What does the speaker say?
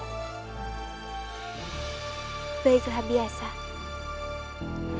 aku sangat sayang sekali kepada ibuku